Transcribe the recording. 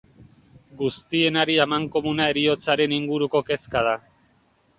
Guztien hari amankomuna heriotzaren inguruko kezka da.